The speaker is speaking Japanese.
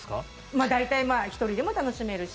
まあ、大体１人でも楽しめるし。